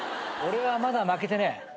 俺はまだ負けてねえ。